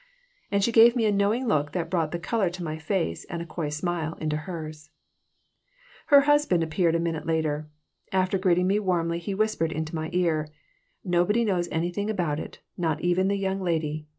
And she gave me a knowing look that brought the color to my face and a coy smile into hers Her husband appeared a minute later. After greeting me warmly he whispered into my ear: "Nobody knows anything about it, not even the young lady.